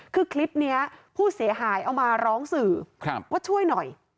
คือคลิปนี้ผู้เสียหายเอามาร้องสื่อว่าช่วยหน่อย